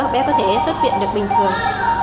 bé có thể xuất viện được bình thường